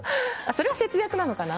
それは節約なのかな？